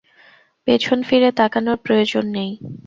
পেছন ফিরে তাকানর প্রয়োজন নেই।